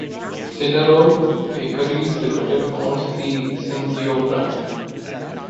Cinnaroll Bakeries Limited owns the Cinnzeo Brand.